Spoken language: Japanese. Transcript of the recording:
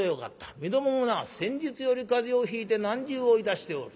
身共もな先日より風邪をひいて難渋をいたしておる。